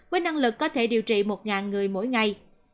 với năng lực có thể điều trị một người mỗi ngày